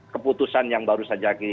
keputusan yang baru saja